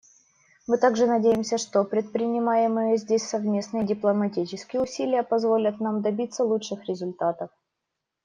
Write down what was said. Мы также надеемся, что предпринимаемые здесь совместные дипломатические усилия позволят нам добиться лучших результатов.